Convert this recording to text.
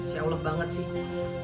masya allah banget sih